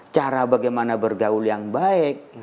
cara bagaimana bergaul yang baik